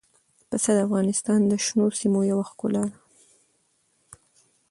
پسه د افغانستان د شنو سیمو یوه ښکلا ده.